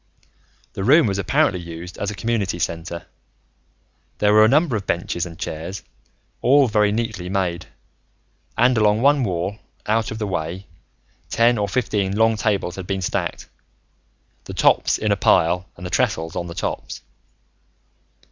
The room was apparently used as a community center. There were a number of benches and chairs, all very neatly made; and along one wall, out of the way, ten or fifteen long tables had been stacked, the tops in a pile and the trestles on the tops.